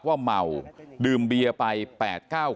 ตลอดทั้งคืนตลอดทั้งคืน